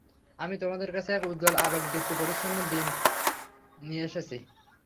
আমি তোমাদের কাছে এক উজ্জ্বল আলোকদীপ্ত পরিচ্ছন্ন দীন নিয়ে এসেছি।